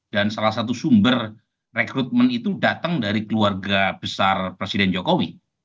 dan salah satu sumber rekrutmen itu datang dari keluarga besar presiden jokowi